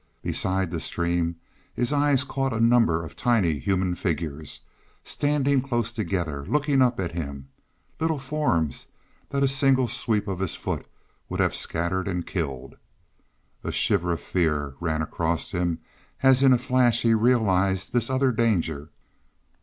Beside the stream his eye caught a number of tiny human figures, standing close together, looking up at him little forms that a single sweep of his foot would have scattered and killed. A shiver of fear ran across him as in a flash he realized this other danger.